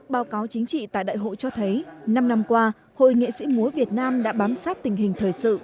báo cáo chính trị tại đại hội cho thấy năm năm qua hội nghệ sĩ múa việt nam đã bám sát tình hình thời sự